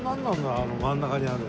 あの真ん中にある。